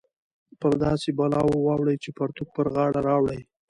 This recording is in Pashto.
پر داسې بلا واوړې چې پرتوګ پر غاړه راوړې